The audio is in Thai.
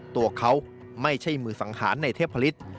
ตัวเขาไม่ใช่มือสังหารในเทพฤษ